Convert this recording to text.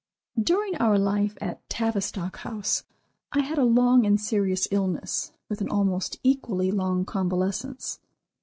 During our life at Tavistock House, I had a long and serious illness, with an almost equally long convalescence.